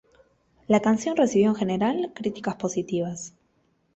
La canción recibió en general críticas positivas.